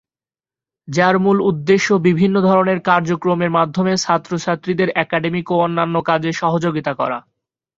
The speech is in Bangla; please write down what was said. যার মুল উদ্দেশ্য বিভিন্ন ধরনের কার্যক্রমের মাধ্যমে ছাত্র-ছাত্রীদের একাডেমিক ও অন্যান্য কাজে সহযোগীতা করা।